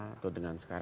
atau dengan sekarang